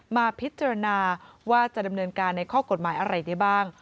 มาพิจารณาว่าจะดำเนินการในข้อกฎหมายอะไรได้บ้าง